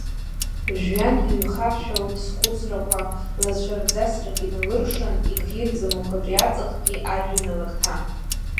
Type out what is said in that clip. Жәҩан иҩхашәалт схәыцрақәа, лацәарӡасрак иналыршан, ихирӡам уахатәи аҵыхгьы ажәҩан алакҭа.